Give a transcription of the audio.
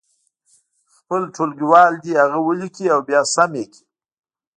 خپل ټولګیوال دې هغه ولیکي او بیا سم یې کړي.